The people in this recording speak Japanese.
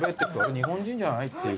日本人じゃない？っていう。